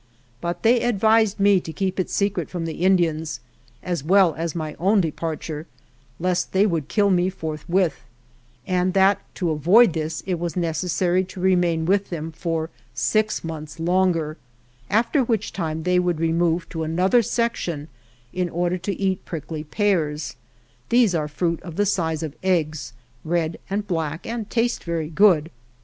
But they advised me to keep it secret from the Indians (as well as my own de parture) lest they would kill me forthwith, and that to avoid this it was necessary to remain with them for six months longer, after which time they would remove to an other section in order to eat prickly pears. These are a fruit of the size of eggs, red and black, and taste very good.